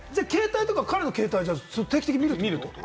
彼の携帯を定期的に見るってこと？